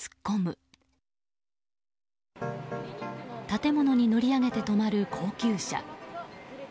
建物に乗り上げて止まる高級車。